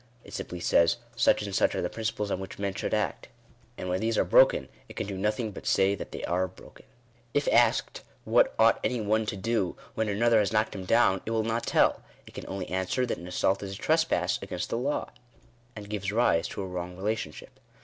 It simply says, such and such are the principles on which men should act; and when these are broken it can do nothing but say that they are broken. If asked what ought any one to do when another has knocked him down, it will not tell ; it can only answer that an assault is a trespass against the law, and gives rise to a wrong relationship.